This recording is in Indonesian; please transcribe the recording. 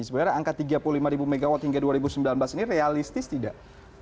sebenarnya angka tiga puluh lima ribu megawatt hingga dua ribu sembilan belas ini realistis tidak